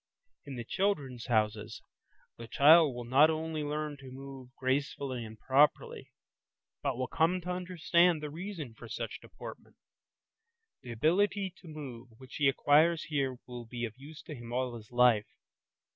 In the "Children's Houses" the child will not only learn to move gracefully and properly, but will come to understand the reason for such deportment. The ability to move which he acquires here will be of use to him all his life.